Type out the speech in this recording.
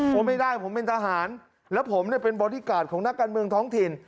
ว่าไม่ได้ผมเป็นทหารแล้วผมเนี่ยเป็นบอดี้การ์ดของนักการเมืองท้องถิ่น